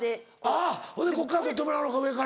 あぁほいでこっから撮ってもらうのか上から。